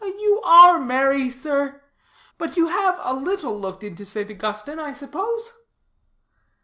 "You are merry, sir. But you have a little looked into St. Augustine I suppose."